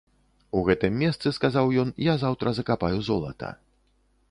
У гэтым месцы, сказаў ён, я заўтра закапаю золата.